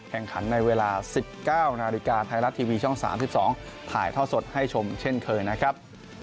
แข่งขันในเวลา๑๙นาฬิกาไทยรัฐทีวีช่อง๓๒ถ่ายท่อสดให้ชมเช่นเคยนะครับ